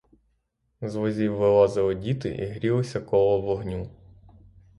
З возів вилазили діти і грілися коло вогню.